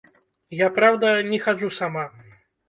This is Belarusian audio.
Я, праўда, не хаджу сама.